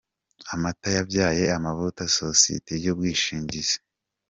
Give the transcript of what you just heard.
Amata yabyaye amavuta Sosiyete y’Ubwishingizi.